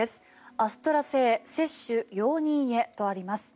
アストラ製、接種容認へとあります。